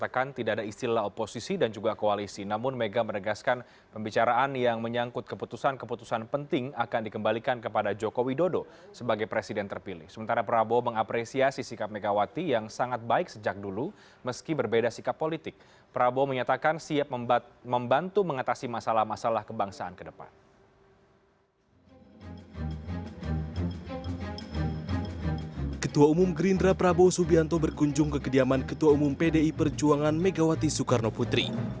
ketua umum gerindra prabowo subianto berkunjung ke kediaman ketua umum pdi perjuangan megawati soekarnoputri